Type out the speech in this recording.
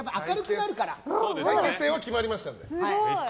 再結成は決まりましたので。